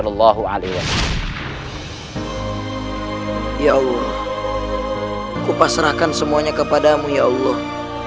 ya allah kupasrahkan semuanya kepadamu ya allah